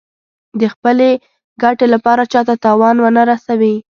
د خپلې ګټې لپاره چا ته تاوان ونه رسوي.